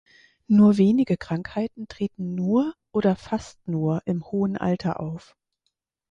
Nur wenige Krankheiten treten nur oder fast nur im hohen Alter auf.